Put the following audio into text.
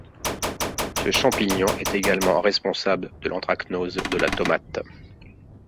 Ce champignon est également responsable de l'anthracnose de la tomate.